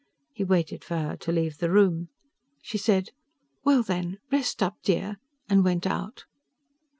He waited for her to leave the room. She said, "Well then, rest up, dear," and went out.